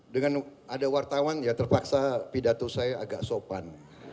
dengan ada wartawan ya terpaksa pidato saya agak sopan